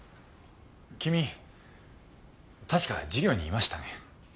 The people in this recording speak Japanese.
君確か授業にいましたね。